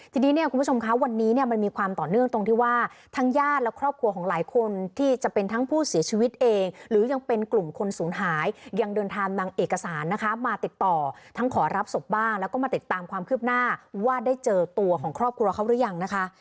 ทีนี้เนี่ยคุณผู้ชมคะวันนี้เนี่ยมันมีความต่อเนื่องตรงที่ว่าทั้งญาติและครอบครัวของหลายคนที่จะเป็นทั้งผู้เสียชีวิตเองหรือยังเป็นกลุ่มคนศูนย์หายยังเดินทางนำเอกสารนะคะมาติดต่อทั้งขอรับศพบ้างแล้วก็มาติดตามความคืบหน้าว่าได้เจอตัวของครอบครัวเขาหรือยังนะคะ